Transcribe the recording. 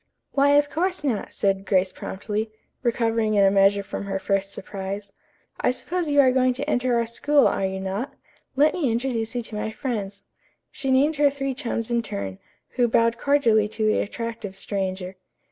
"Why, of course not," said Grace promptly, recovering in a measure from her first surprise. "I suppose you are going to enter our school, are you not? Let me introduce you to my friends." She named her three chums in turn, who bowed cordially to the attractive stranger.